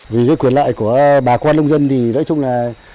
vì quyền loại của bà quan nông dân thì nói chung là